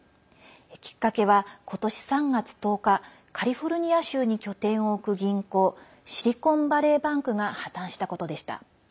きっかけは今年３月１０日カリフォルニア州に拠点を置く銀行シリコンバレーバンクが破綻したことでした。